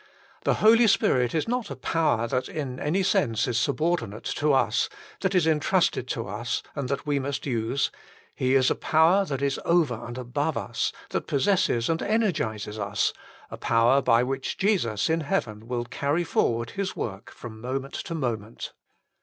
The Holy Spirit is not a power that in any sense is subordinate to us, that is intrusted to us, and that we must use ; He is a power that is over and above us, that possesses and energises us, a power by which Jesus in heaven will carry forward His work from moment to moment.